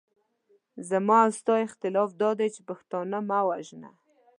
زما او ستا اختلاف دادی چې پښتانه مه وژنه.